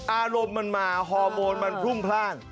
อารมณ์มันมาฮอร์โมนมันพรุ่งพลาด